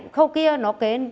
khâu kia nó kế